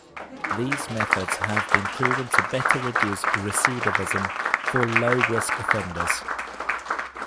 These methods have been proven to better reduce recidivism for low-risk offenders.